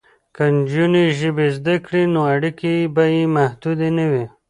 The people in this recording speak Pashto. که نجونې ژبې زده کړي نو اړیکې به یې محدودې نه وي.